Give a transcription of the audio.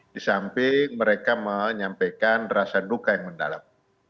disamping mereka menyampaikan rasa duka yang mendalam